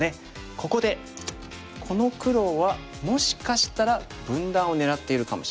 ここでこの黒はもしかしたら分断を狙ってるかもしれない。